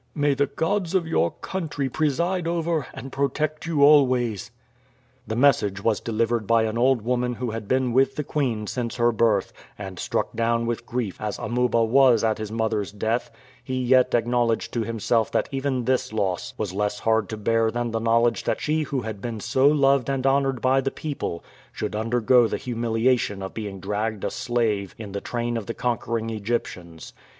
May the gods of your country preside over and protect you always." The message was delivered by an old woman who had been with the queen since her birth, and struck down with grief as Amuba was at his mother's death, he yet acknowledged to himself that even this loss was less hard to bear than the knowledge that she who had been so loved and honored by the people should undergo the humiliation of being dragged a slave in the train of the conquering Egyptians.